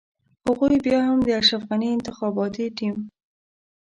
هغوی بيا هم د اشرف غني انتخاباتي ټيم.